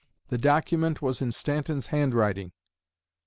The document was in Stanton's handwriting.